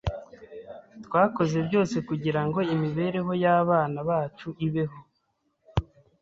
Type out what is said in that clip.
Twakoze byose kugirango imibereho y'abana bacu ibeho.